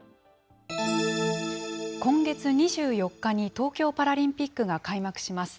今月２４日に東京パラリンピックが開幕します。